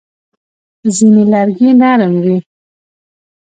ځینې لرګي نرم وي.